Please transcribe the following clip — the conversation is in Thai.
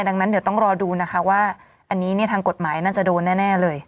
ดังนั้นเดี๋ยวต้องรอดูนะคะว่าอันนี้ทางกฎหมายน่าจะโดนแน่เลย